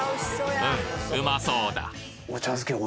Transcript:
うんうまそうだ